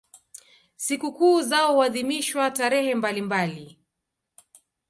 Sikukuu zao huadhimishwa tarehe mbalimbali.